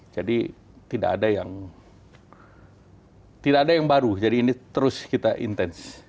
jadi tidak ada yang baru jadi ini terus kita intens